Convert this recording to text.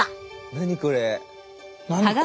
何これ？